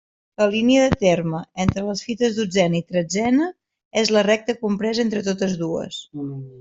La línia de terme entre les fites dotzena i tretzena és la recta compresa entre totes dues.